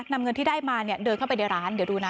นำเงินที่ได้มาเดินเข้าไปในร้านเดี๋ยวดูนะ